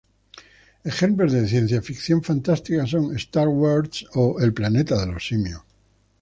Ejemplos de ciencia ficción fantástica son Star Wars o El planeta de los simios.